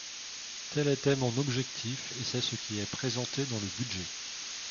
Tel était mon objectif et c’est ce qui est présenté dans le budget.